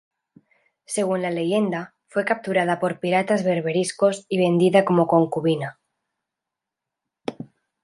Según la leyenda, fue capturada por piratas berberiscos y vendida como concubina.